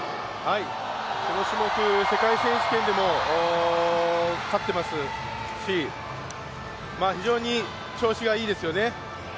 この種目、世界選手権でも勝っていますし非常に調子がいいですよね。